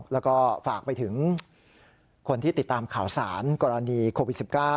แล้วก็ฝากไปถึงคนที่ติดตามข่าวสารกรณีโควิด๑๙